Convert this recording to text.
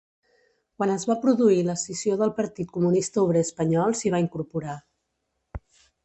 Quan es va produir l'escissió del Partit Comunista Obrer Espanyol s'hi va incorporar.